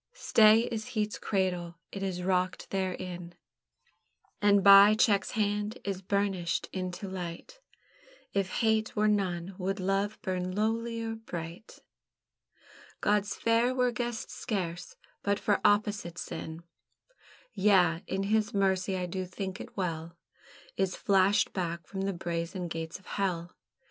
Stay is heat's cradle, it is rocked therein, And by check's hand is burnished into light; If hate were none, would love burn lowlier bright? God's Fair were guessed scarce but for opposite sin; Yea, and His Mercy, I do think it well, Is flashed back from the brazen gates of Hell.